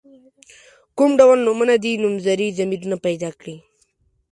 کوم ډول نومونه دي نومځري ضمیرونه پیداکړي.